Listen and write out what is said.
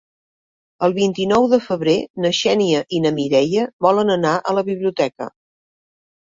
El vint-i-nou de febrer na Xènia i na Mireia volen anar a la biblioteca.